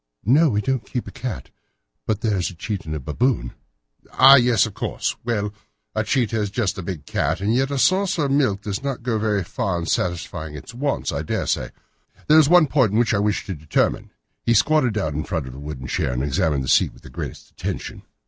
"No; we don't keep a cat. But there is a cheetah and a baboon." "Ah, yes, of course! Well, a cheetah is just a big cat, and yet a saucer of milk does not go very far in satisfying its wants, I daresay. There is one point which I should wish to determine." He squatted down in front of the wooden chair and examined the seat of it with the greatest attention.